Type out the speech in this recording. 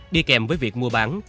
đi kèm với việc mua bán